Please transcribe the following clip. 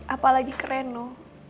apalagi ke reno